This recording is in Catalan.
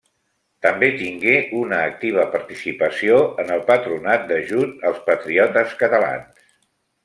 També tingué una activa participació en el Patronat d'Ajut als Patriotes Catalans.